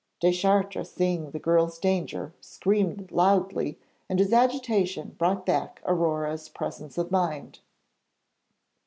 Deschartres, seeing the girl's danger, screamed loudly, and his agitation brought back Aurore's presence of mind.